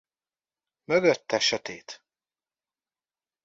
Mögötte sötét.